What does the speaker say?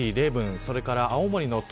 それから青森の東